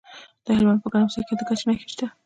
د هلمند په ګرمسیر کې د ګچ نښې شته.